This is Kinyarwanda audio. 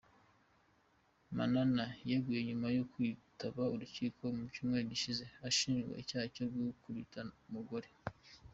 Manana yeguye nyuma yo kwitaba urukiko mu cyumweru gishize ashinjwa icyaha cyo gukubita umugore.